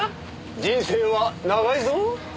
人生は長いぞ。